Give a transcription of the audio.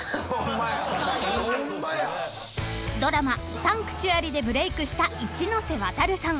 ［ドラマ『サンクチュアリ』でブレークした一ノ瀬ワタルさん］